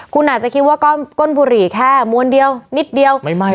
คุณอาจจะคิดว่าก้มบุหรี่แค่มวลเดียวนิดเดียว